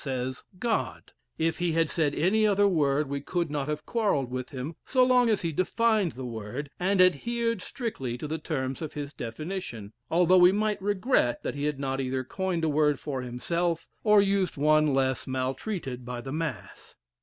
says, "God." If he had said any other word we could not have quarrelled with him so long as he defined the word, and adhered strictly to the terms of his definition, although we might regret that he had not either coined a word for himself, or used one less maltreated by the mass.